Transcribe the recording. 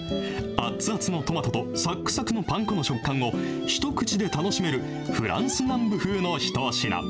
あっつあつのトマトと、さくさくのパン粉の食感を一口で楽しめる、フランス南部風の一品。